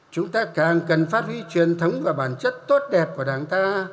chúng ta càng cần phát huy truyền thống và bản chất tốt đẹp của đảng ta